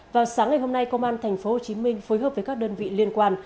vào sáng ngày hôm nay công an tp hcm phối hợp với các đơn vị liên quan